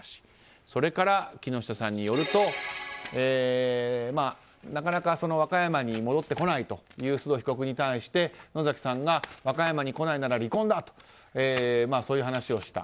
それから、木下さんによるとなかなか和歌山に戻ってこないという須藤被告に対して野崎さんが和歌山に来ないなら離婚だとそういう話をした。